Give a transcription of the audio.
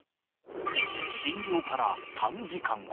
診療から３時間後。